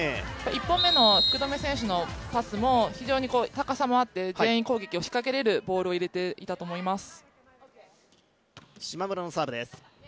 １本目の福留選手のパスも非常に高さがあって全員攻撃を仕掛けられるボールを入れていたと思います。